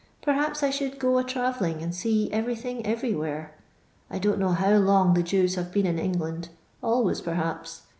Perhaps I should go a trarellinf, and see ereiythiqg ereiywhere. I don't know how long the Jews have been in England; always per haps.